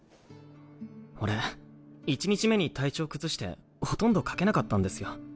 俺１日目に体調崩してほとんど描けなかったんですよ。